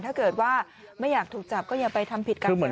ถ้าไม่อยากถูกจับก็อย่าไปทำผิดการจารกร